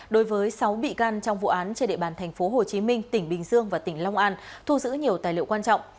đối với sáu bị can trong vụ án trên địa bàn tp hcm tỉnh bình dương và tỉnh long an thu giữ nhiều tài liệu quan trọng